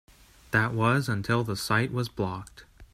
That was until the site was blocked.